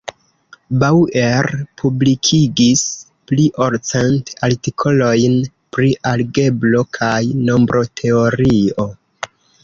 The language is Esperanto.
Bauer publikigis pli ol cent artikolojn pri algebro kaj nombroteorio.